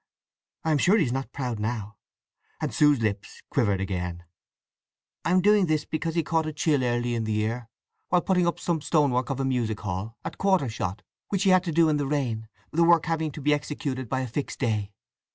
I am sure he is not proud now!" And Sue's lips quivered again. "I am doing this because he caught a chill early in the year while putting up some stonework of a music hall, at Quartershot, which he had to do in the rain, the work having to be executed by a fixed day.